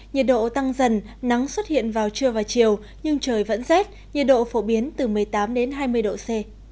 nhiệt độ tăng dần nắng xuất hiện vào trưa và chiều nhưng trời vẫn rét nhiệt độ phổ biến từ một mươi tám hai mươi độ c